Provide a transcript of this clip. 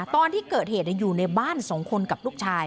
ตอนที่เกิดเหตุอยู่ในบ้าน๒คนกับลูกชาย